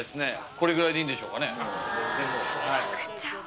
これぐらいでいいんでしょうかね